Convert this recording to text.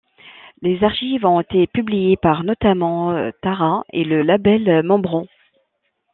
Les archives ont été publiées par notamment Tahra et le label Membran.